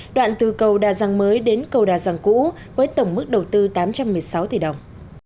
đoạn từ cầu đa giang mới đến cầu đà giang cũ với tổng mức đầu tư tám trăm một mươi sáu tỷ đồng